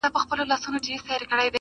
نه د پردي نسیم له پرخو سره وغوړېدم!!